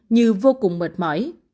như vô cùng mệt mỏi